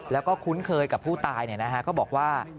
แล้วก็คุ้นเคยกับผู้ตายก็บอกว่า